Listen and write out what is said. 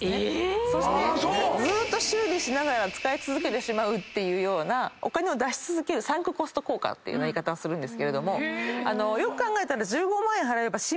そしてずっと修理しながら使い続けてしまうっていうようなお金を出し続けるサンクコスト効果って言い方をするんですけどよく考えたら。